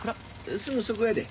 すぐそこやで。